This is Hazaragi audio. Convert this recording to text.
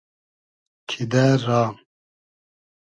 کیدۂ را